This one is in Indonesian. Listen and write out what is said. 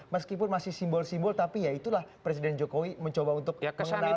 meskipun masih simbol simbol tapi ya itulah presiden jokowi mencoba untuk mengendalikan kepada masyarakat